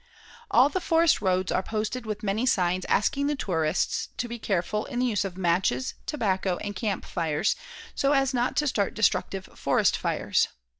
All the forest roads are posted with many signs asking the tourists to be careful in the use of matches, tobacco and camp fires, so as not to start destructive forest fires.